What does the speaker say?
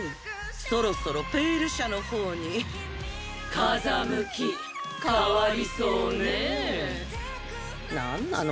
そろそろ「ペイル社」の方に風向き変わりそうねぇなんなの？